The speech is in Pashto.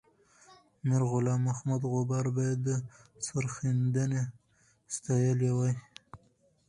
میرغلام محمد غبار باید سرښندنه ستایلې وای.